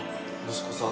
息子さん？